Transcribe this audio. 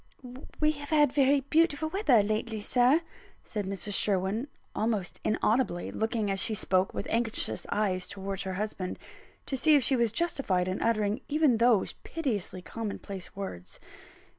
"We have had very beautiful weather lately, Sir," said Mrs. Sherwin, almost inaudibly; looking as she spoke, with anxious eyes towards her husband, to see if she was justified in uttering even those piteously common place words.